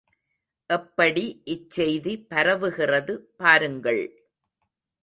எப்படி இச்செய்தி பரவுகிறது பாருங்கள்!